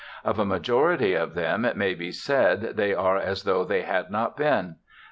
Of a majority of them it may be said, they are as though they had not been.